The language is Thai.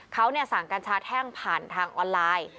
เขาสั่งกัญชาแท่งผ่านทางออนไลน์